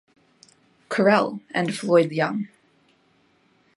Correll, and Floyd Young.